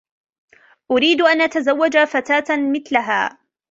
أريد أن أتزوج فتاة مثلها.